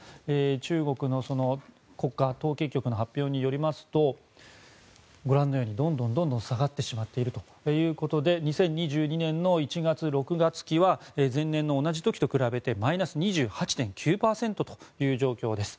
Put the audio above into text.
中国の国家統計局の発表によりますとご覧のようにどんどん下がってしまっているということで２０２２年の１月−６月期は前年の同じ時と比べてマイナス２８．９％という状況です。